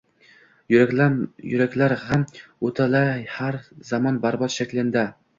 Yuraklar gʻam oʻtila har zamon barbod shaklinda